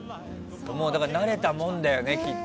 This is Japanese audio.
だから慣れたもんだよね、きっと。